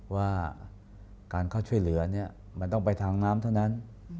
ว่าการเข้าช่วยเหลือมันต้องไปทางน้ำเท่านั้น